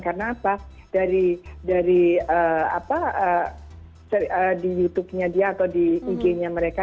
karena apa dari apa di youtube nya dia atau di ig nya mereka